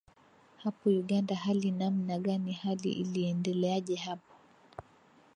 hapo uganda hali namna gani hali iliendeleaje hapo